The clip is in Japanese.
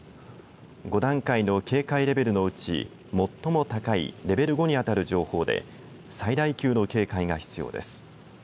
５段階の警戒レベルのうち最も高いレベル５にあたる情報で災害最大級の警戒が必要です。